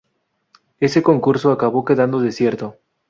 Ese concurso acabó quedando desierto.